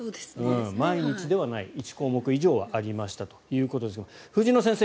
毎日ではない１項目以上はありましたということですが藤野先生